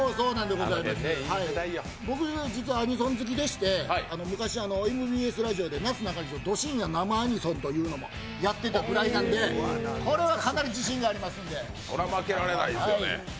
僕、実はアニソン好きでして、昔ＭＢＳラジオで「なすなかにしド深夜生アニソン！」って番組もやっていまして、これはかなり自信がありますんで。